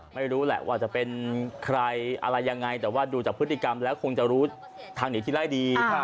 ไม่รู้แหละว่าจะเป็นใครอะไรยังไงแต่ว่าดูจากพฤติกรรมแล้วคงจะรู้ทางหนีที่ไล่ดี